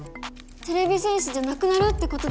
てれび戦士じゃなくなるってことですか？